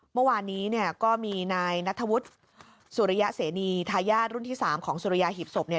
เมื่อวานนี้เนี่ยก็มีนายนัทธวุฒิสุริยะเสนีทายาทรุ่นที่๓ของสุริยาหีบศพเนี่ย